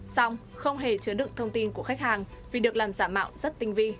xong không hề chứa đựng thông tin của khách hàng vì được làm giả mạo rất tinh vi